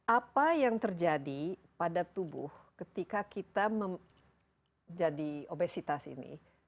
apa yang terjadi pada tubuh ketika kita jadi obesitas ini